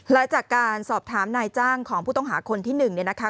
และจากการสอบถามนายจ้างของผู้ต้องหาคนที่๑เนี่ยนะคะ